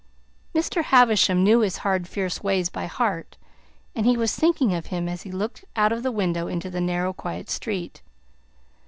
Mr. Havisham knew his hard, fierce ways by heart, and he was thinking of him as he looked out of the window into the narrow, quiet street.